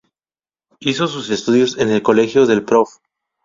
Hizo sus estudios en el colegio del Prof.